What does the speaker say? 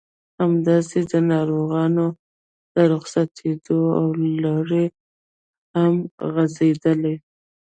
همداسې د ناروغانو د رخصتېدو لړۍ هم غزېدله.